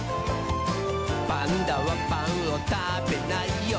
「パンダはパンをたべないよ」